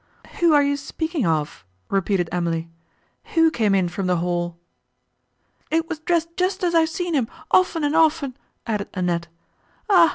"Who are you speaking of?" repeated Emily, "Who came in from the hall?" "It was dressed just as I have seen him, often and often," added Annette. "Ah!